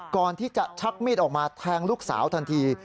ที่จะชักมีดออกมาแทงลูกสาวทันที